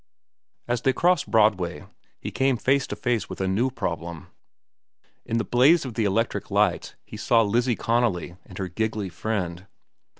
As they crossed Broadway, he came face to face with a new problem. In the blaze of the electric lights, he saw Lizzie Connolly and her giggly friend.